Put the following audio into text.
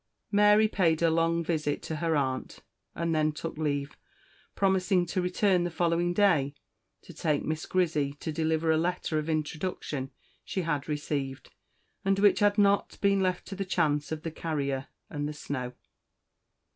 Mary paid a long visit to her aunt, and then took leave, promising to return the following day to take Miss Grizzy to deliver a letter of introduction she had received, and which had not been left to the chance of the carrier and the snow.